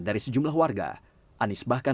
dari sejumlah warga anies bahkan